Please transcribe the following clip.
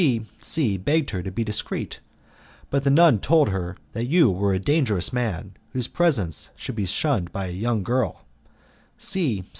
C C begged her to be discreet, but the nun told her that you were a dangerous man, whose presence should be shunned by a young girl.